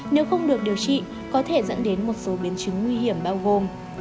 nếu không được điều trị có thể dẫn đến một số biến chứng nguy hiểm bao gồm